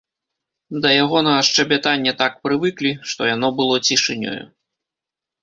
Да ягонага шчабятання так прывыклі, што яно было цішынёю.